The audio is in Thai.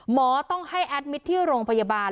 หมอต้องให้แอดมิตรที่โรงพยาบาล